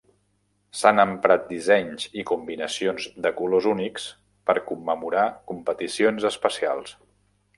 S'han emprat dissenys i combinacions de colors únics per commemorar competicions especials.